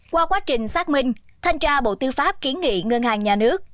qua quá trình xác minh thanh tra bộ tư pháp kiến nghị ngân hàng nhà nước